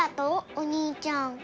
お兄ちゃん。